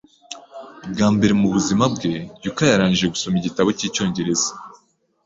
Bwa mbere mubuzima bwe, Yuka yarangije gusoma igitabo cyicyongereza